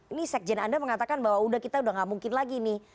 ini sekjen anda mengatakan bahwa udah kita udah gak mungkin lagi nih